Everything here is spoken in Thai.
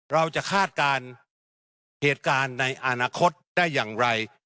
คาดการณ์เหตุการณ์ในอนาคตได้อย่างไร